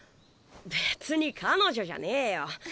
別に彼女じゃねえよ。